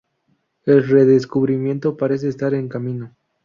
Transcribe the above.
El redescubrimiento parece estar en camino.